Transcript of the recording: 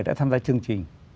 đã tham gia chương trình